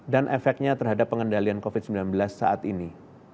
dan efeknya terhadap pengendalian covid sembilan belas saat ini